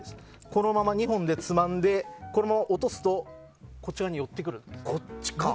このまま２本でつまんでこのまま落とすとこちらに寄ってくるんです。